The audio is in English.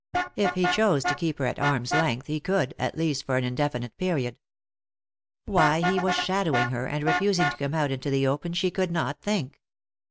If he chose to keep her at arm's length he could, at least for an indefinite period. Why he was shadowing her and refusing to come out into the open she could not think.